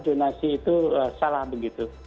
jonasi itu salah begitu